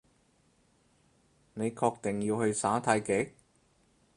你確定要去耍太極？